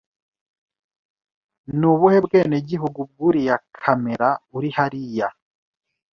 Ni ubuhe bwenegihugu bw'uriya kamera uri hariya?